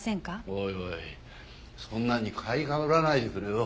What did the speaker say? おいおいそんなに買いかぶらないでくれよ。